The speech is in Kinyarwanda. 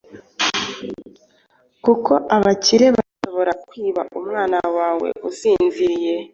kuko abakire bashobora kwiba umwana wawe usinziriye